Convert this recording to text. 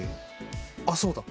あっそうだ！